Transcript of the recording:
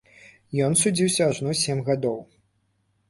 Ён судзіўся ажно сем гадоў!